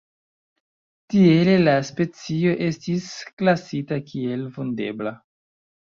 Tiele la specio estis klasita kiel vundebla.